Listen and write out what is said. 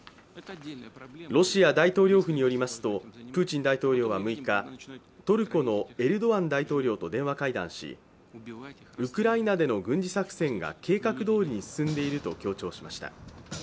ロシア大統領府によりますとプーチン大統領は６日、トルコのエルドアン大統領と電話会談しウクライナでの軍事作戦が計画どおりに進んでいると強調しました。